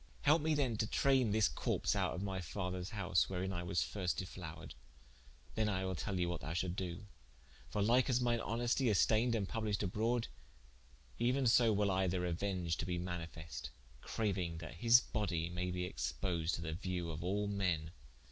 Helpe me then to traine this corps out of my father's house, wherein I was first defloured, then will I tell thee what thou shalt doe: for like as mine honestie is stayned and published abrode, euen so will I the reuenge to be manifeste, crauing that his bodie may be exponed to the viewe of all men."